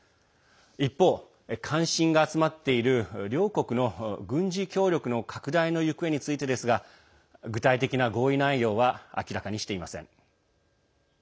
一方、関心が集まっている両国の軍事協力の拡大の行方についてですが具体的な合意内容は明らかにしていません。